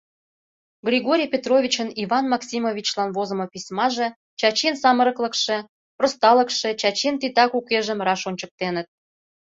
Григорий Петровичын Иван Максимовичлан возымо письмаже, Чачин самырыклыкше, просталыкше Чачин титак укежым раш ончыктеныт.